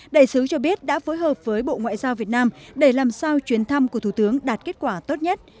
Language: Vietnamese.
đại sứ cho biết đã phối hợp với bộ ngoại giao việt nam để làm sao chuyến thăm của thủ tướng đạt kết quả tốt nhất